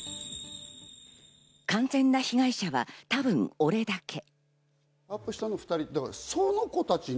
完全な被害者は多分、俺だけ。